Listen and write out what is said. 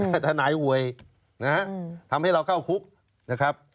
ถ้าทนายหวยนะฮะทำให้เราเข้าคุกนะครับ